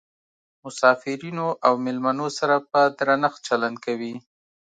مسافرینو او میلمنو سره په درنښت چلند کوي.